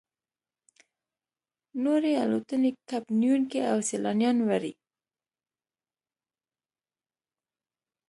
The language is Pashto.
نورې الوتنې کب نیونکي او سیلانیان وړي